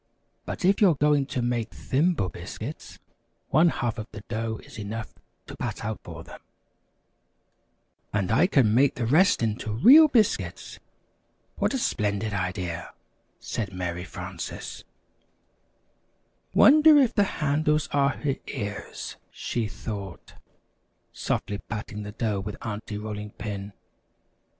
"But if you are going to make Thimble Biscuits, one half of the dough is enough to pat out for them " "And I can make the rest into real biscuits! What a splendid idea!" said Mary Frances. [Illustration: Turned the dough on a well floured board.] "Wonder if the handles are her ears," she thought, softly patting the dough with Aunty Rolling Pin.